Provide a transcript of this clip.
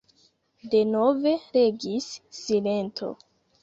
Denove regis silento.